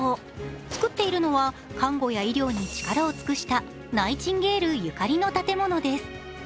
作っているのは看護や医療に力を尽くしたナイチンゲールゆかりの建物です。